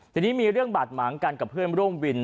ทีนี้มีเรื่องบาดหมางกันกับเพื่อนร่วมวิน